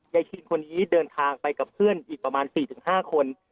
คินคนนี้เดินทางไปกับเพื่อนอีกประมาณ๔๕คน